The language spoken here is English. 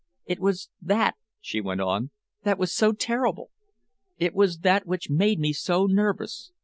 It was that," she went on, "that was so terrible. It was that which made me so nervous.